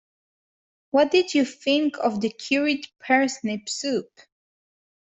What did you think of the curried parsnip soup?